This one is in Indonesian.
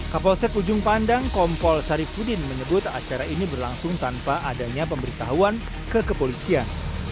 kapolsek ujung pandang kompol sarifudin menyebut acara ini berlangsung tanpa adanya pemberitahuan ke kepolisian